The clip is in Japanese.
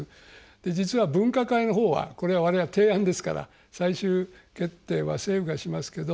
実は分科会のほうはこれは我々は提案ですから最終決定は政府がしますけど。